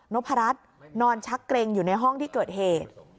พรัชนอนชักเกรงอยู่ในห้องที่เกิดเหตุ